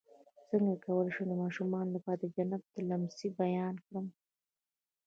څنګه کولی شم د ماشومانو لپاره د جنت د لمس بیان کړم